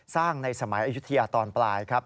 สร้างในสมัยอายุเทียตอนปลายครับ